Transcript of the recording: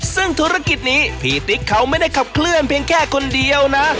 ซึ่งธุรกิจนี้พี่ติ๊กเขาไม่ได้ขับเคลื่อนเพียงแค่คนเดียวนะ